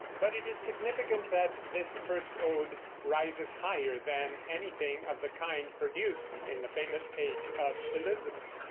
But it is significant that this first ode rises higher than anything of the kind produced in the famous Age of Elizabeth.